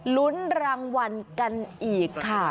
ลุ้นรางวัลกันอีกค่ะ